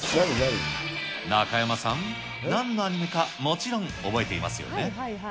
中山さん、なんのアニメか、もちろん覚えていますよね。